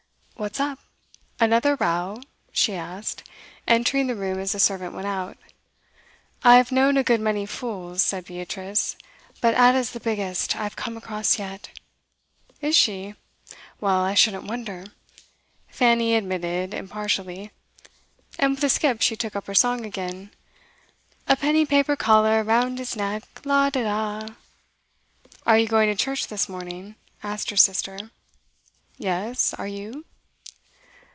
'What's up? Another row?' she asked, entering the room as the servant went out. 'I've known a good many fools,' said Beatrice, 'but Ada's the biggest I've come across yet.' 'Is she? Well, I shouldn't wonder,' Fanny admitted impartially. And with a skip she took up her song again. 'A penny paper collar round his neck, la de da ' 'Are you going to church this morning?' asked her sister. 'Yes. Are you?